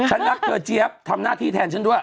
ฉันรักเธอเจี๊ยบทำหน้าที่แทนฉันด้วย